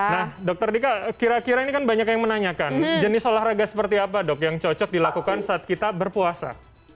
nah dokter dika kira kira ini kan banyak yang menanyakan jenis olahraga seperti apa dok yang cocok dilakukan saat kita berpuasa